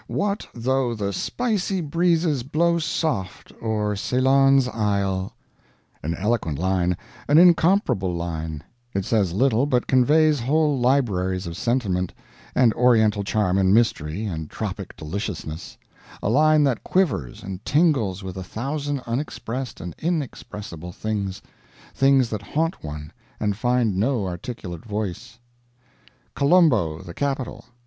"What though the spicy breezes blow soft o'er Ceylon's isle" an eloquent line, an incomparable line; it says little, but conveys whole libraries of sentiment, and Oriental charm and mystery, and tropic deliciousness a line that quivers and tingles with a thousand unexpressed and inexpressible things, things that haunt one and find no articulate voice .... Colombo, the capital.